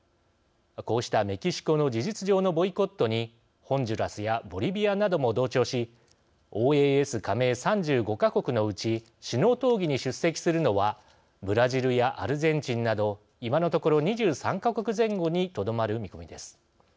こうしたメキシコの事実上のボイコットにホンジュラスやボリビアなども同調しＯＡＳ加盟３５か国のうち首脳討議に出席するのはブラジルやアルゼンチンなど今のところ、２３か国前後にとどまる見込みです。